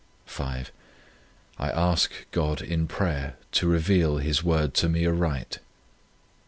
5. I ask God in prayer to reveal His Will to me aright.